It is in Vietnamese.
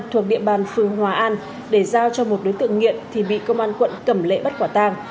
thuộc địa bàn phường hòa an để giao cho một đối tượng nghiện thì bị công an quận cầm lệ bắt quả tang